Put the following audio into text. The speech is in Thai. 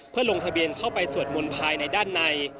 เพื่อลงทะเบียนเข้าไปสวดมนต์ภายในด้านใน